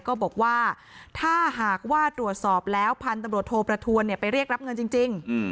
ก็บอกว่าถ้าหากว่าตรวจสอบแล้วพันธุ์ตำรวจโทประทวนไปเรียกรับเงินจริง